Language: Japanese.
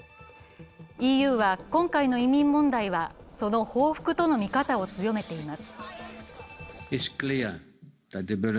ＥＵは今回の移民問題は、その報復との見方を強めています。